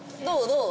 どう？